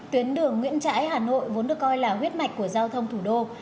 tuyến đường nguyễn trãi hà nội vốn được coi là huyết mạch của giao thông thủ đô